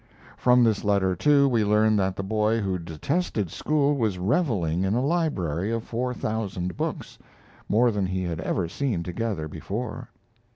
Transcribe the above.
From this letter, too, we learn that the boy who detested school was reveling in a library of four thousand books more than he had ever seen together before.